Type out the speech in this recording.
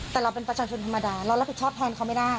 แต่เราเป็นประชาชนธรรมดาเรารับผิดชอบแทนเขาไม่ได้